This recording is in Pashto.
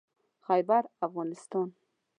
خيبرافغانستان